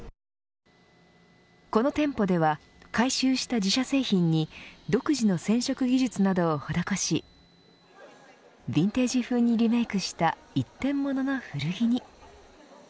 この店舗では回収した自社製品に独自の染色技術などを施しヴィンテージふうにリメークした一点物の古着に。